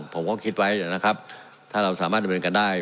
ผมก็คิดไว้นะครับถ้าเราสามารถเป็นเหมือนกันได้